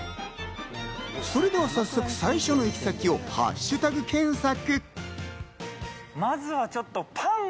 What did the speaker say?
それでは早速、最初の行き先をハッシュタグ検索。